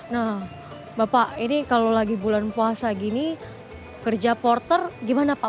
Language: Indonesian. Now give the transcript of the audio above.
nah bapak ini kalau lagi bulan puasa gini kerja porter gimana pak